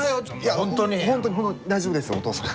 本当に本当に大丈夫ですお父さん。